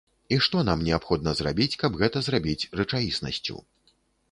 І што нам неабходна зрабіць, каб гэта зрабіць рэчаіснасцю.